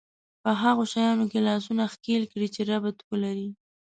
په هغو شيانو کې لاسونه ښکېل کړي چې ربط ولري.